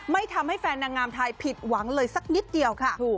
ทำให้แฟนนางงามไทยผิดหวังเลยสักนิดเดียวค่ะ